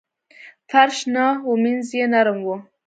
فرش نه و مینځ یې نرم و.